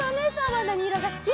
はなにいろがすき？